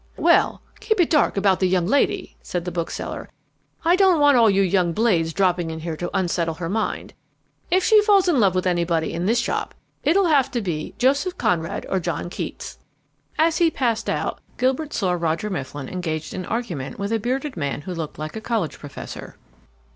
"Well, keep it dark about the young lady," said the bookseller. "I don't want all you young blades dropping in here to unsettle her mind. If she falls in love with anybody in this shop, it'll have to be Joseph Conrad or John Keats!" As he passed out, Gilbert saw Roger Mifflin engaged in argument with a bearded man who looked like a college professor.